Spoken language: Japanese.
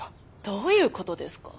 どういう事ですか？